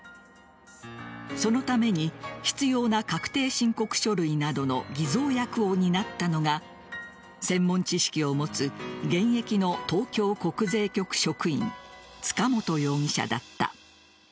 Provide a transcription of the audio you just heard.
そのために必要な確定申告書類などの偽造役を担ったのが専門知識を持つ現役の東京国税局職員塚本容疑者だった。